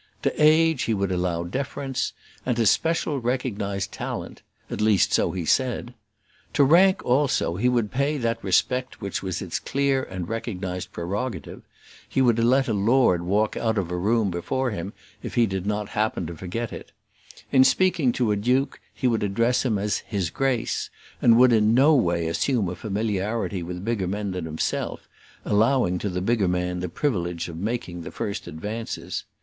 To age he would allow deference, and to special recognised talent at least so he said; to rank also, he would pay that respect which was its clear and recognised prerogative; he would let a lord walk out of a room before him if he did not happen to forget it; in speaking to a duke he would address him as his Grace; and he would in no way assume a familiarity with bigger men than himself, allowing to the bigger man the privilege of making the first advances.